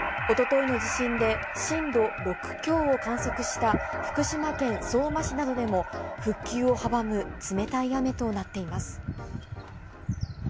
おとといの地震で震度６強を観測した福島県相馬市などでも、復旧を阻む冷たい雨となっています。